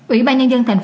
ủy ban nhân dân tp hcm